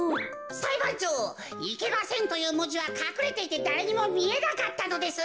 さいばんちょう「いけません」というもじはかくれていてだれにもみえなかったのです。